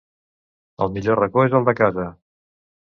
El millor racó és el de casa.